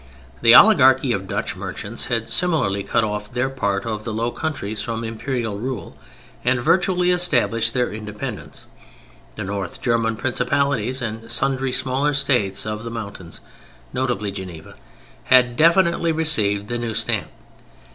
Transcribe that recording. The Oligarchy of Dutch merchants had similarly cut off their part of the Low Countries from imperial rule, and virtually established their independence. The North German Principalities and sundry smaller states of the mountains (notably Geneva), had definitely received the new stamp.